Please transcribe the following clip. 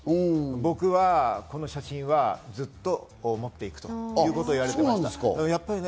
僕はこの写真はずっと持って行くということを言われていました。